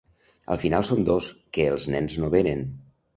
I al final som dos, que els nens no venen.